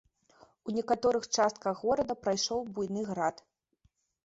У некаторых частках горада прайшоў буйны град.